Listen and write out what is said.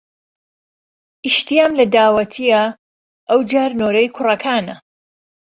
ئیشتیام لە داوەتێ یە ئەو جار نۆرەی کوڕەکانە